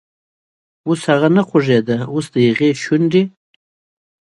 اوس هغه نه خوږیده، اوس دهغې شونډې،